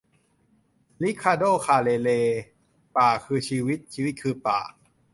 ริคาร์โด คาร์เรเร - "ป่าคือชีวิต ชีวิตคือป่า"